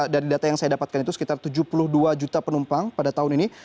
dari data yang saya dapatkan itu sekitar tujuh puluh dua juta penumpang pada tahun ini